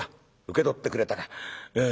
受け取ってくれたか？」。